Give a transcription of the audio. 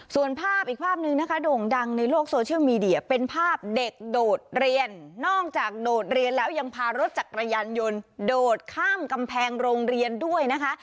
ส่วนภาพอีกภาพนึงนะคะโด่งดังในโลกโซเชียลมีเดียเป็นภาพเด็กโดดเรียนนอกจากโดดเรียนแล้วยังพารถจักรยานยนต์โดดข้ามกำแพงโรงเรียนด้วยนะคะ